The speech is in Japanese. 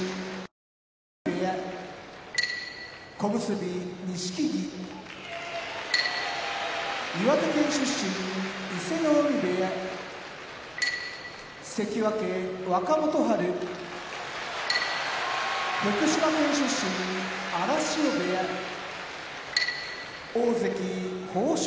立浪部屋小結・錦木岩手県出身伊勢ノ海部屋関脇・若元春福島県出身荒汐部屋大関豊昇